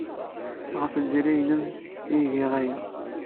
Ɣef lǧal-nnem ay giɣ aya.